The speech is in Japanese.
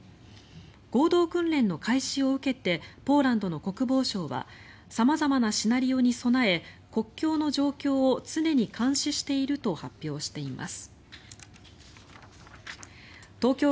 合同訓練の開始を受けてポーランドの国防省は様々なシナリオに備え国境の状況を常に監視していると発表しています。